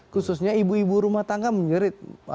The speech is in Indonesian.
khususnya ibu ibu rumah tangga menjerit